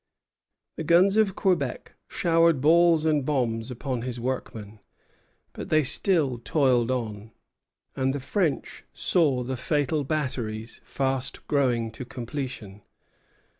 The guns of Quebec showered balls and bombs upon his workmen; but they still toiled on, and the French saw the fatal batteries fast growing to completion.